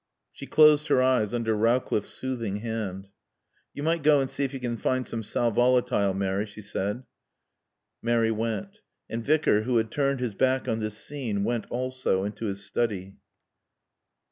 She closed her eyes under Rowcliffe's soothing hand. "You might go and see if you can find some salvolatile, Mary," he said. Mary went. The Vicar, who had turned his back on this scene, went, also, into his study.